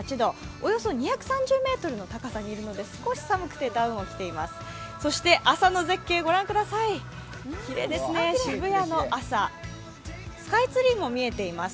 およそ２３０ｍの高さにいるので少し寒くてダウンを着ています。